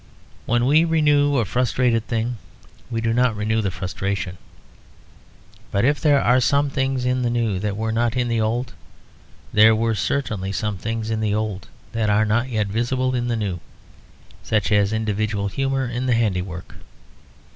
When we renew a frustrated thing we do not renew the frustration. But if there are some things in the new that were not in the old, there were certainly some things in the old that are not yet visible in the new; such as individual humour in the handiwork.